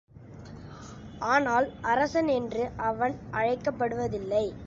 ஆனால் அரசன் என்று அவன் அழைக்கப்படுவதில்லை.